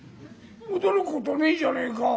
驚くことねえじゃねえか」。